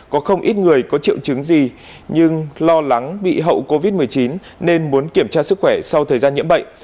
có không ít người có triệu chứng gì nhưng lo lắng bị hậu covid một mươi chín nên muốn kiểm tra sức khỏe sau thời gian nhiễm bệnh